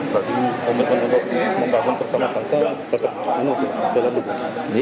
tapi umur umur untuk menggabung persama persama tetap jalan lupa